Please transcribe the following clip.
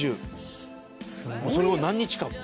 それを何日間も。